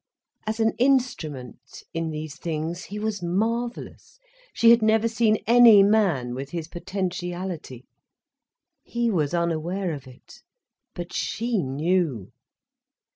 As an instrument, in these things, he was marvellous, she had never seen any man with his potentiality. He was unaware of it, but she knew.